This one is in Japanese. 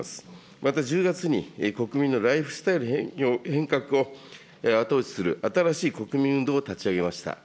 また、１０月に国民のライフスタイル変革を後押しする新しい国民運動を立ち上げました。